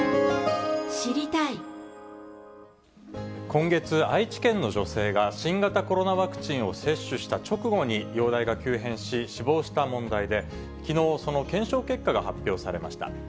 今月、愛知県の女性が、新型コロナワクチンを接種した直後に容体が急変し、死亡した問題で、きのう、その検証結果が発表されました。